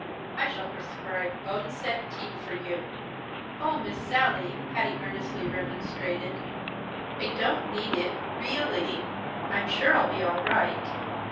I shall prescribe boneset tea for you." "Oh, Miss Sallie!" Patty earnestly remonstrated. "I don't need it, really. I'm sure I'll be all right."